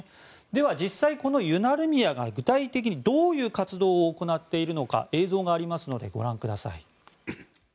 では、実際このユナルミヤがどういう活動を行っているのか映像がありますのでご覧ください。